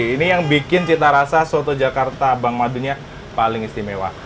ini yang bikin cita rasa soto jakarta bang madunya paling istimewa